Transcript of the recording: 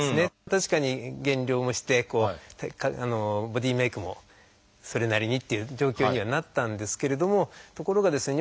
確かに減量もしてボディーメイクもそれなりにっていう状況にはなったんですけれどもところがですね